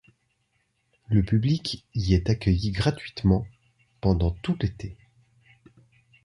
Le public y est accueilli gratuitement pendant tout l'été.